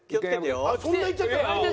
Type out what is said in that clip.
あっそんないっちゃったら」